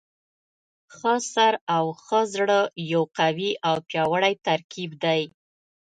ښه سر او ښه زړه یو قوي او پیاوړی ترکیب دی.